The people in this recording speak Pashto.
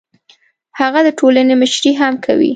هغه د ټولنې مشري هم کوي.